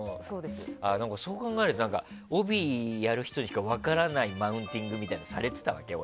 そう考えると帯やる人にしか分からないマウンティングみたいなのされてたわけ？